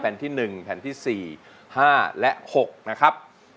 ก็จะเป็นแผ่นที่สี่ห้าและหกนะครับ